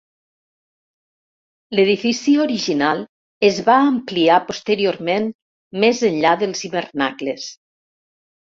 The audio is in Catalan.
L"edifici original es va ampliar posteriorment més enllà dels hivernacles.